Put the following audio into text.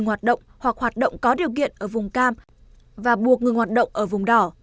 hoạt động hoặc hoạt động có điều kiện ở vùng cam và buộc ngừng hoạt động ở vùng đỏ